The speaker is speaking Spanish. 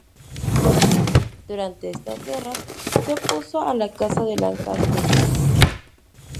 Durante estas guerras se opuso a la Casa de Lancaster.